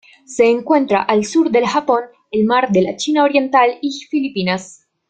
Se encuentra al sur del Japón, el Mar de la China Oriental y Filipinas.